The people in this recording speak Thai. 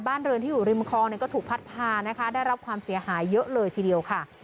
เรือนที่อยู่ริมคลองก็ถูกพัดพานะคะได้รับความเสียหายเยอะเลยทีเดียวค่ะ